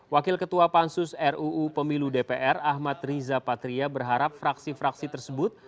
wakil ketua pansus ruu pemilu dpr ahmad riza patria berharap fraksi fraksi tersebut